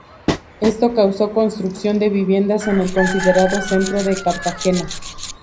Esto causó construcción de viviendas en el considerado centro de Cartagena.